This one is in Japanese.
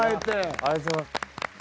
ありがとうございます。